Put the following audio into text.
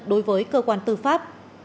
đối với cơ quan tư pháp